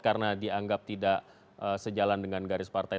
karena dianggap tidak sejalan dengan garis partai